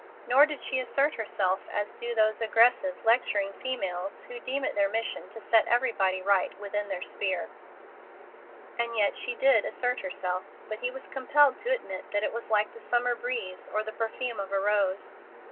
Nor did she assert herself as do those aggressive, lecturing females who deem it their mission to set everybody right within their sphere. And yet she did assert herself; but he was compelled to admit that it was like the summer breeze or the perfume of a rose.